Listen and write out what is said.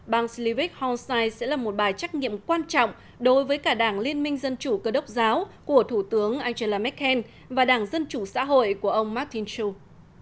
bang slivik holstein sẽ là một bài trách nhiệm quan trọng đối với cả đảng liên minh dân chủ cơ đốc giáo của thủ tướng angela merkel và đảng dân chủ xã hội của ông martin schulz